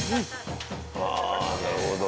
ああなるほど。